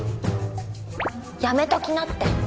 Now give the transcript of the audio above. やめときなって。